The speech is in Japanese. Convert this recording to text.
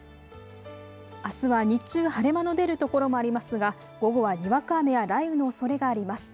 あすは日中、晴れ間の出る所もありますが、午後はにわか雨や雷雨のおそれがあります。